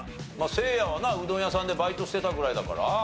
せいやはなうどん屋さんでバイトしてたぐらいだから。